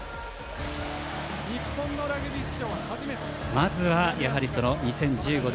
まずは、やはり２０１５年